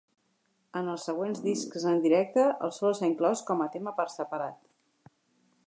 En els següents discs en directe, el solo s'ha inclòs com a tema per separat.